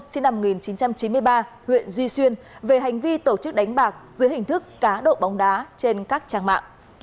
sinh năm một nghìn chín trăm chín mươi ba huyện duy xuyên về hành vi tổ chức đánh bạc dưới hình thức cá độ bóng đá trên các trang mạng